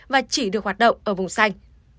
và chỉ được hoạt động ở vùng xanh